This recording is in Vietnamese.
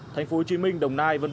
tp hcm đồng nai v v